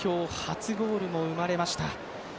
初ゴールも生まれました。